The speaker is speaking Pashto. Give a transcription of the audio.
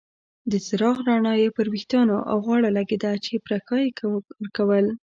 د څراغ رڼا یې پر ویښتانو او غاړه لګیده چې پرکا یې ورکول.